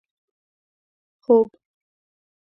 خوب